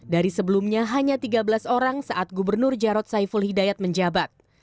dari sebelumnya hanya tiga belas orang saat gubernur jarod saiful hidayat menjabat